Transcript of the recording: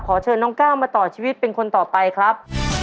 เชิญน้องก้าวมาต่อชีวิตเป็นคนต่อไปครับ